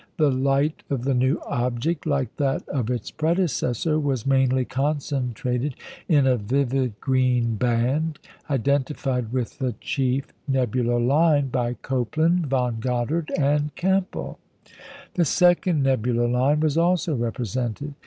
The light of the new object, like that of its predecessor, was mainly concentrated in a vivid green band, identified with the chief nebular line by Copeland, Von Gothard, and Campbell. The second nebular line was also represented.